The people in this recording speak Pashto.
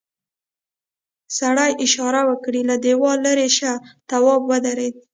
سړي اشاره وکړه له دیوال ليرې شه تواب ودرېد.